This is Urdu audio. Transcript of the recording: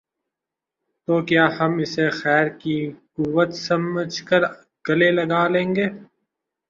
تو کیا ہم اسے خیر کی قوت سمجھ کر گلے لگا لیں گے؟